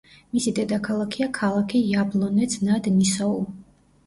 მისი დედაქალაქია ქალაქი იაბლონეც-ნად-ნისოუ.